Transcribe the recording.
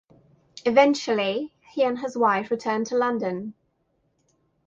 Eventually, he and his wife returned to London.